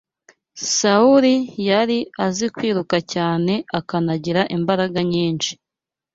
Sawuli yari azi kwiruka cyane akanagira imbaraga nyinshi